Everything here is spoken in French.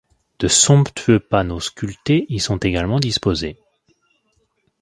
De somptueux panneaux sculptés y sont également disposés.